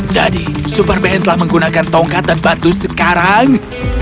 jadi super bn telah menggunakan tongkat dan batu sekarang